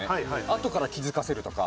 あとから気付かせるとか。